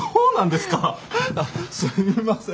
すみません。